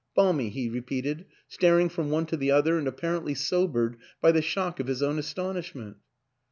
Balmy," he repeated, staring from one to the other and apparently sobered by the shock of his own astonishment.